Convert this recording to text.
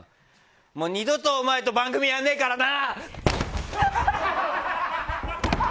二度とお前と番組やらねえからな！